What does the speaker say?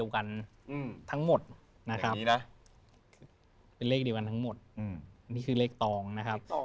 คุณรับซื้อตอนนี้ละครับ